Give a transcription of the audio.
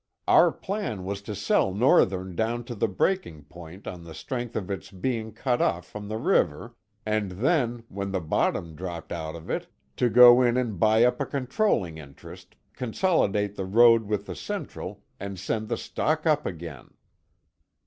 Our plan was to sell Northern down to the breaking point on the strength of its being cut off from the river, and then, when the bottom dropped out of it, to go in and buy up a controlling interest, consolidate the road with the Central, and send the stock up again."